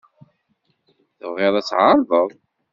Tebɣid ad tɛerḍed?